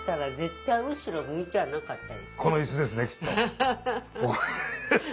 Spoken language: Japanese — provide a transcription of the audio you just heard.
この椅子ですねきっと。